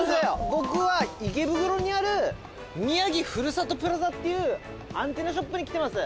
僕は池袋にある宮城ふるさとプラザっていうアンテナショップに来てます。